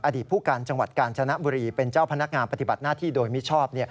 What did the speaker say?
อดีตผู้การจังหวัดกาญจนบุรีเป็นเจ้าพนักงานปฏิบัติหน้าที่โดยมิชอบ